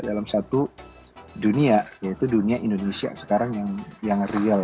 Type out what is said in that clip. dalam satu dunia yaitu dunia indonesia sekarang yang real